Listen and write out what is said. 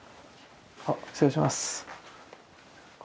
あっ失礼します。